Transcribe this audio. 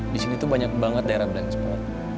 disini tuh banyak banget daerah blind spot